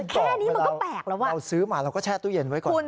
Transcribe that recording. แค่นี้มันก็แปลกแล้วว่ะเราซื้อมาเราก็แช่ตู้เย็นไว้ก่อน